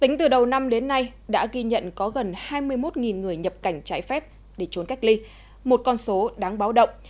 hôm nay đã ghi nhận có gần hai mươi một người nhập cảnh trái phép để trốn cách ly một con số đáng báo động